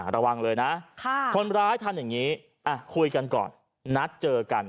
ระวังเลยนะคนร้ายทำอย่างนี้คุยกันก่อนนัดเจอกัน